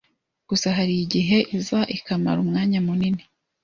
Gusa hari igihe iza ikamara umwanya munini